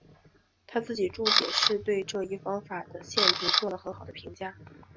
他自己注解是对这一方法的限制做了很好的评价。